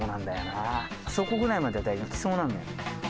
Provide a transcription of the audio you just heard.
あそこぐらいまではいきそうなんだよ。